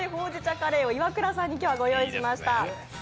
カレーをイワクラさんに今日はご用意いたしました。